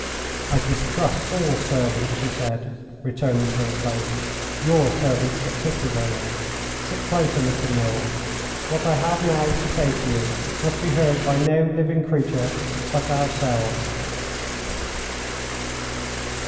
"I distrust all servants," she said, returning to her place—"your servants particularly. Sit closer, Mr. Noel. What I have now to say to you must be heard by no living creature but ourselves."